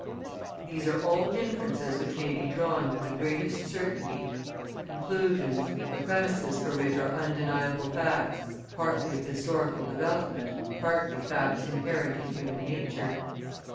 These are all inferences which may be drawn with the greatest certainty: conclusions, the premises for which are undeniable facts, partly of historical development, partly facts inherent in human nature.